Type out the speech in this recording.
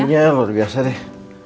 debunya luar biasa deh